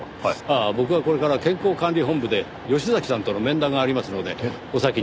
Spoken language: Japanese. ああ僕はこれから健康管理本部で吉崎さんとの面談がありますのでお先に。